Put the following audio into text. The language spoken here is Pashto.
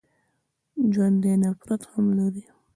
ژوندي نفرت هم لري